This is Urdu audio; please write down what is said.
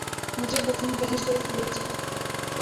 مجھے بزم دہر سے لے چلے